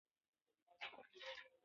افغانستان په اوړي باندې تکیه لري.